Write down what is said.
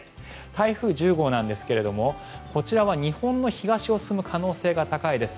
台風１０号ですがこちらは日本の東を進む可能性が高いです。